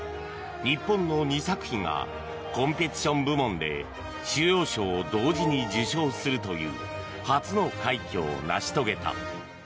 日本の２作品がコンペティション部門で主要賞を同時に受賞するという初の快挙を成し遂げた。